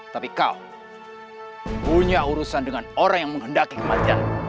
tapi kau punya urusan dengan orang yang menghendaki kematian